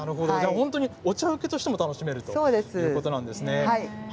お茶うけとしても楽しめるということなんですね。